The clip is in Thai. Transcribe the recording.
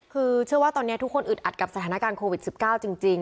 คือเชื่อว่าตอนนี้ทุกคนอึดอัดกับสถานการณ์โควิด๑๙จริง